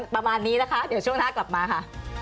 ประมาณนี้นะคะเดี๋ยวช่วงหน้ากลับมาค่ะ